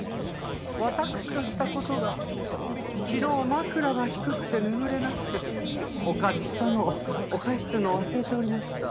わたくしとした事が昨日枕が低くて眠れなくてお借りしたのをお返しするのを忘れておりました。